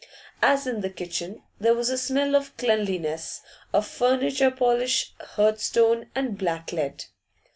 As in the kitchen, there was a smell of cleanlines of furniture polish, hearthstone, and black lead.